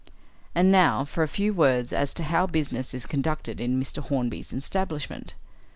"And now for a few words as to how business is conducted in Mr. Hornby's establishment.